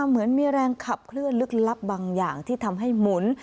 เหมือนมีแรงขับเคลื่อนลึกลับบางอย่างที่ทำให้หมุน